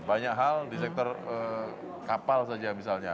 banyak hal di sektor kapal saja misalnya